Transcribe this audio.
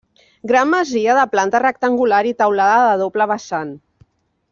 Gran masia de planta rectangular i teulada de doble vessant.